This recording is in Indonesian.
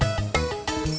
ya ada tiga orang